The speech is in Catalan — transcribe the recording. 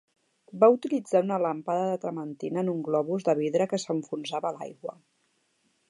Va utilitzar una làmpada de trementina en un globus de vidre que s'enfonsava a l'aigua.